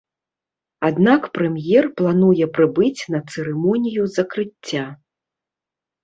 Аднак прэм'ер плануе прыбыць на цырымонію закрыцця.